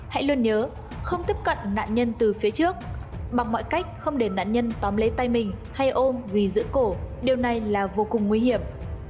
hãy luôn nhớ không tiếp cận nạn nhân từ phía trước bằng mọi cách không để nạn nhân tóm lấy tay mình hay ôm vì giữ cổ điều này là vô cùng nguy hiểm